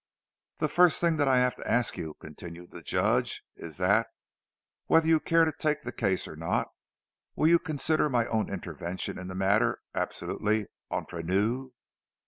"The first thing that I have to ask you," continued the Judge, "is that, whether you care to take the case or not, you will consider my own intervention in the matter absolutely entre nous.